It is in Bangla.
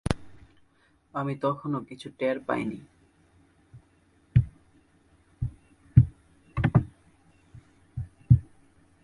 আমি তখনও কিছু টের পাইনি।